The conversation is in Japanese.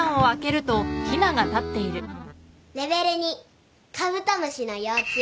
レベル２カブトムシの幼虫。